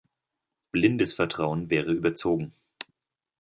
Blindes Vertrauen wäre überzogen.